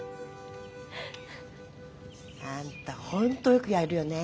あんたホントよくやるよね。